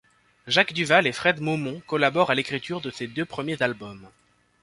Jacques Duvall et Fred Momont collaborent à l'écriture de ses deux premiers albums.